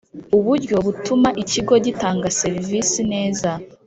Uburyo butuma ikigo gitanga serivisi neza